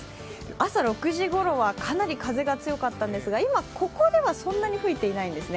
朝６時ごろはかなり風が強かったんですが、今ここではそんなに吹いていないんですね。